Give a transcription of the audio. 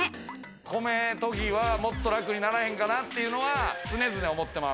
米研ぎはもっと楽にならへんかなって常々思ってます。